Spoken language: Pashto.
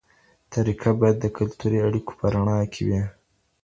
طریقه باید د کلتوري اړیکو په رڼا کې وي.